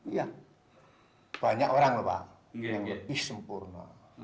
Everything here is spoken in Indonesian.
iya banyak orang loh pak yang lebih sempurna